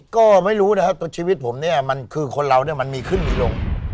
ก็ไม่รู้นะครับชีวิตผมเนี่ยมันคือคนเราเนี่ยมันมีขึ้นมีลง